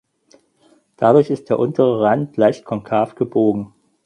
Dadurch ist der untere Rand leicht konkav gebogen.